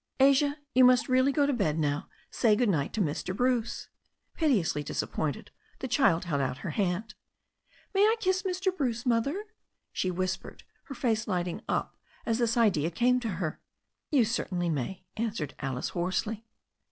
"Asia, you must really go to bed now. Say good night to Mr. Bruce." Fiteously disappointed, the child held out her hand. "May I kiss Mr. Bruce, mother?" she whispered, her face lighting up as this idea came to her. "You certainly may," answered Alice hoarsely.